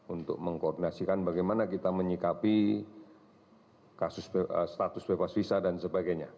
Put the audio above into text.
untuk mengkoordinasikan bagaimana kita menyikapi status bebas visa dan sebagainya